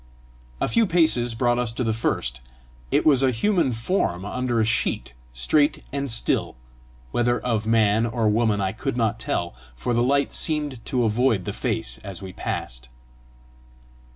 A few paces brought us to the first; it was a human form under a sheet, straight and still whether of man or woman I could not tell, for the light seemed to avoid the face as we passed.